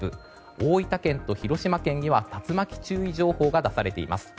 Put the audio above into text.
大分県と広島県では竜巻注意情報が出されています。